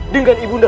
dengan ibu anda